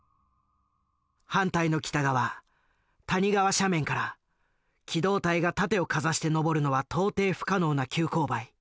反対の北側谷川斜面から機動隊が盾をかざして登るのは到底不可能な急勾配。